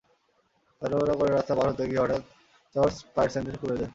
তাড়াহুড়া করে রাস্তা পার হতে গিয়ে হঠাৎ তাঁর পায়ের স্যান্ডেল খুলে যায়।